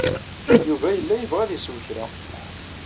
Yuba yella yebɣa ad isew kra.